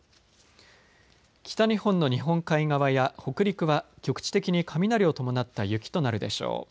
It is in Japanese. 北日本の日本海側や北陸は局地的に雷を伴った雪となるでしょう。